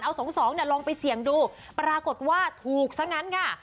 เอา๒๒ลองไปเสี่ยงดูปรากฏว่าถูกซะงั้นค่ะ